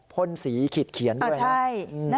พ่นสีขีดเขียนด้วยนะ